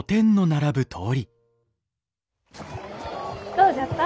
どうじゃった？